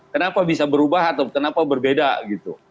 kenapa bisa berubah atau kenapa berbeda gitu